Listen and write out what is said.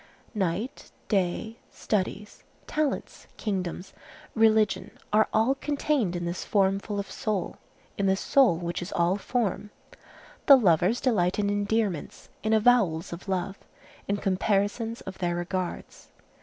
Night, day, studies, talents, kingdoms, religion, are all contained in this form full of soul, in this soul which is all form. The lovers delight in endearments, in avowals of love, in comparisons of their regards.